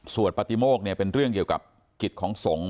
สววษปติโม่กเนี่ยเป็นเรื่องเกี่ยวกับกฤตของทรง